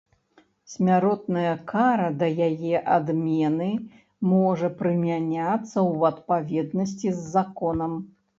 Смяротная кара да яе адмены можа прымяняцца ў адпаведнасці з законам